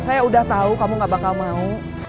saya udah tahu kamu gak bakal mau